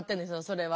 それは。